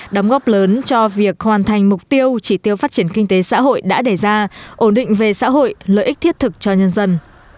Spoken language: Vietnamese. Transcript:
đóng góp lớn cho việc hoàn thành mục tiêu chỉ tiêu phát triển kinh tế xã hội đã đề ra ổn định về xã hội lợi ích thiết thực cho nhân dân